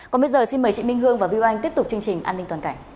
còn bây giờ xin mời chị minh hương và viu anh tiếp tục chương trình an ninh toàn cảnh